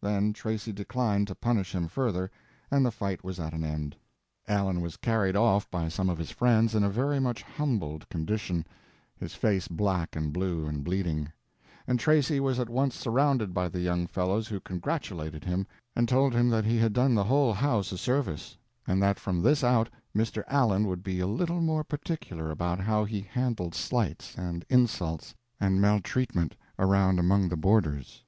Then Tracy declined to punish him further and the fight was at an end. Allen was carried off by some of his friends in a very much humbled condition, his face black and blue and bleeding, and Tracy was at once surrounded by the young fellows, who congratulated him, and told him that he had done the whole house a service, and that from this out Mr. Allen would be a little more particular about how he handled slights and insults and maltreatment around amongst the boarders.